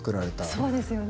そうですよね。